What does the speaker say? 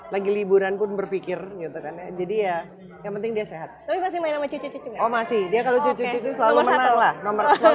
lagi liburan berpikir jadi ya yang penting dia sehat masih dia kalau